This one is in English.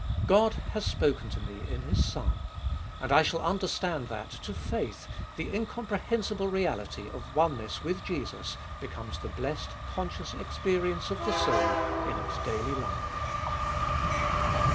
God has spoken to me in His Son ! And I shall understand that, to faith, the incomprehensible reality of oneness with Jesus becomes the blessed, conscious experience of the soul in its daily life.